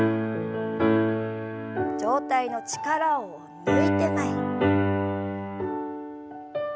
上体の力を抜いて前に。